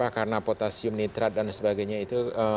karena potasium nitrat dan sebagainya itu